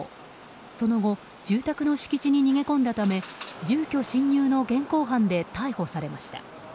その後、住宅の敷地に逃げ込んだため住居侵入の現行犯で逮捕されました。